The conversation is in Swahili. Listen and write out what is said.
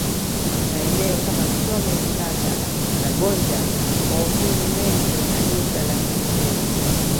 Maeneo kama Chome Mbaga na Gonja waumini wengi wa Kanisa la Kilutheri